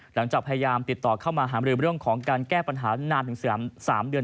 หลังจากพยายามติดต่อเข้ามาหามรือเรื่องของการแก้ปัญหานานถึง๓เดือน